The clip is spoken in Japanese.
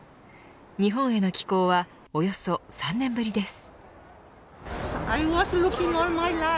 日本への寄港はおよそ３年ぶりです。